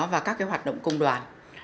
và các cái hoạt động công đoàn